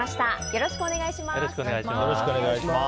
よろしくお願いします。